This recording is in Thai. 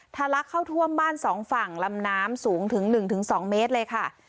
ลักเข้าท่วมบ้านสองฝั่งลำน้ำสูงถึง๑๒เมตรเลยค่ะ